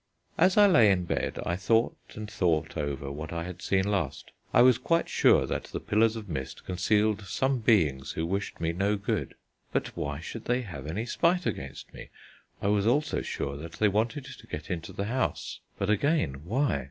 As I lay in bed I thought and thought over what I had seen last. I was quite sure that the pillars of mist concealed some beings who wished me no good: but why should they have any spite against me? I was also sure that they wanted to get into the house: but again, why?